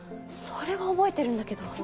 それは覚えてるんだけど。